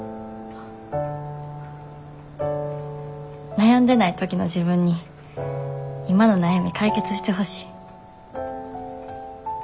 悩んでない時の自分に今の悩み解決してほしい。